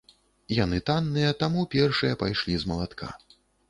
Яны танныя, таму першыя пайшлі з малатка.